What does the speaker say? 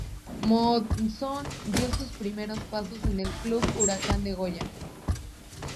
Monzón dio sus primeros pasos en el club Huracán de Goya.